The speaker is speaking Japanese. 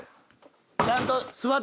ちゃんと。